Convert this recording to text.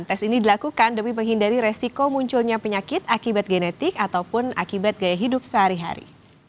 tes ini dilakukan demi menghindari resiko munculnya penyakit akibat genetik ataupun akibat gaya hidup sehari hari